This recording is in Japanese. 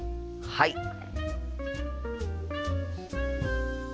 はい。